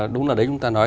đúng là đấy chúng ta nói